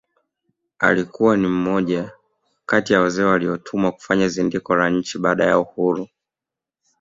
Alikuwa ni mmoja kati ya wazee waliotumwa kufanya zindiko la nchi baada ya uhuru